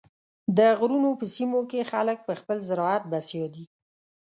د غرونو په سیمو کې خلک په خپل زراعت بسیا دي.